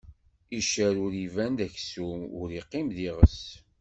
Iccer ur iban d aksum, ur iqqim d iɣes.